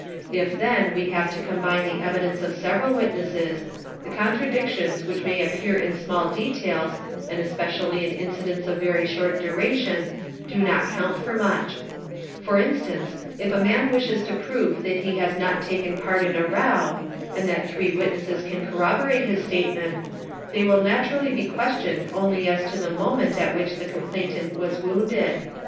If then we have to combine the evidence of several witnesses, the contradic tions which may appear in small details and especially in incidents of very short duration, do not count for much. For instance if a man A sass end sememand Liat deemmaat aaieieadalch atin anda iaiinieieal ee er ee ee er ee | 7 wishes to prove that he has not taken part in a row, and that three Ww itnesses can corroborate his statement, they will naturally be questioned only as to the moment at which the complainant was wounded.